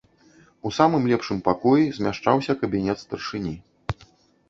У самым лепшым пакоі змяшчаўся кабінет старшыні.